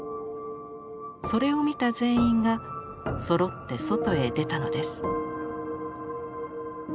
それを見た全員がそろって外へ出たのです。